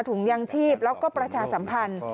ถุงยางชีพแล้วก็ประชาสัมพันธ์